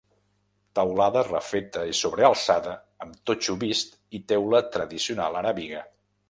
Teulada refeta i sobrealçada amb totxo vist i teula tradicional aràbiga.